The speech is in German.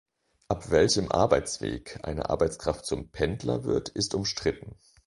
Ab welchem Arbeitsweg eine Arbeitskraft zum Pendler wird, ist umstritten.